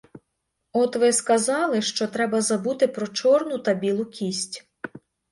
От ви сказали, що треба забути про чорну та білу кість.